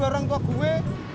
itu orang tua gue